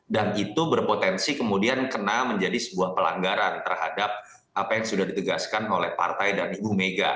dan itu berpotensi kemudian kena menjadi sebuah pelanggaran terhadap apa yang sudah ditegaskan oleh partai dan ibu mega